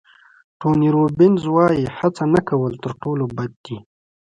ټوني روبینز وایي هڅه نه کول تر ټولو بد دي.